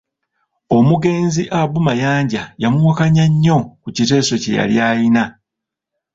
Omugenzi Abu Mayanja yamuwakanya nnyo ku kiteeso kye yali ayina.